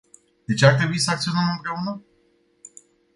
De ce ar trebui să acționăm împreună?